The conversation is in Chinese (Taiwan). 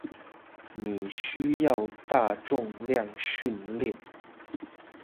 你需要大重量訓練